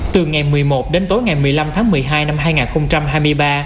từ ngày một mươi một đến tối ngày một mươi năm tháng một mươi hai năm hai nghìn hai mươi ba